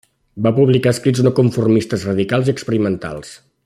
Va publicar escrits no-conformistes, radicals i experimentals.